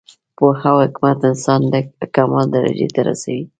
پوهه او حکمت انسان د کمال درجې ته رسوي.